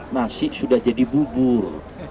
nasib sudah jadi bubur